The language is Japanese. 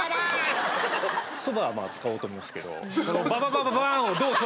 そばは使おうと思うんですけど。